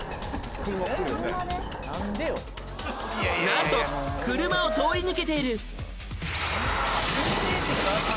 ［何と車を通り抜けている］